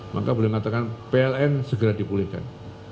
maka beliau mengatakan pln segera dipulihkan